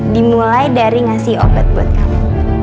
dimulai dari ngasih obat buat kamu